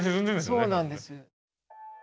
そうなんです。